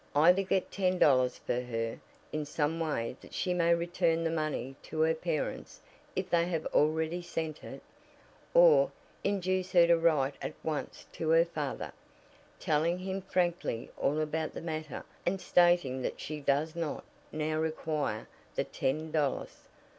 Either get ten dollars for her in some way that she may return the money to her parents if they have already sent it, or induce her to write at once to her father, telling him frankly all about the matter and stating that she does not now require the ten dollars.